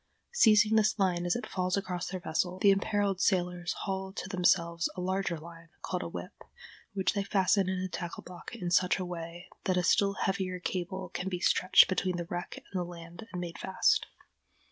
Seizing this line as it falls across their vessel, the imperiled sailors haul to themselves a larger line, called a "whip," which they fasten in a tackle block in such a way that a still heavier cable can be stretched between the wreck and the land and made fast.